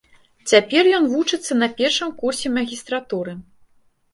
Цяпер ён вучыцца на першым курсе магістратуры.